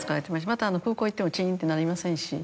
また空港行ってもチンって鳴りませんし。